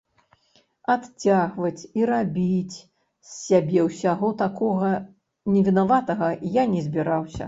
Адцягваць і рабіць з сябе ўсяго такога невінаватага я не збіраўся.